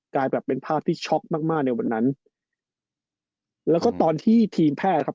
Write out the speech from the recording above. กลายเป็นภาพที่ช็อกมากมากในวันนั้นแล้วก็ตอนที่ทีมแพทย์ครับ